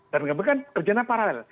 dan mengambilkan kerjanya paralel